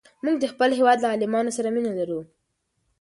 موږ د خپل هېواد له عالمانو سره مینه لرو.